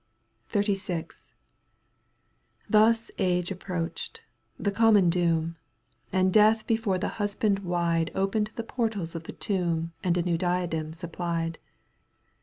^ XXXVI. Thus age approached, the common doom, And death before the husband wide Opened the portals of the tomb And a new diadem supplied.